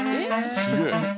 すげえ。